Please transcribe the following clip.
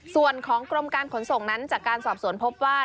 ส่วนของกรมการขนส่งนั้นจากการสอบสวนพบว่า